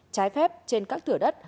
trái phép trên các thửa đất